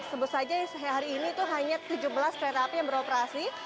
sebut saja hari ini itu hanya tujuh belas kereta api yang beroperasi